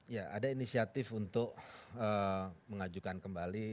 ya ada inisiatif untuk mengajukan kembali